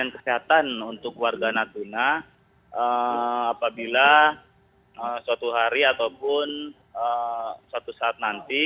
kesehatan untuk warga natuna apabila suatu hari ataupun suatu saat nanti